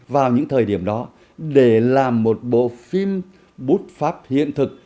vào những thời điểm đó để làm một bộ phim bút pháp hiện thực